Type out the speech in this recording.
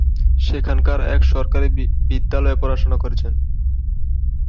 সেখানকার এক সরকারি বিদ্যালয়ে পড়াশোনা করেছেন।